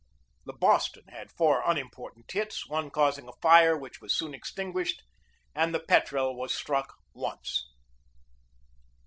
The Boston had four unimportant hits, one causing a fire which was soon extinguished, and the Petrel was struck once.